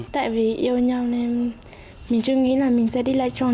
tại vì yêu nhau nên mình chưa nghĩ là mình sẽ đi lái chồng